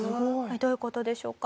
どういう事でしょうか？